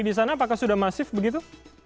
di sana apakah sudah masif begitu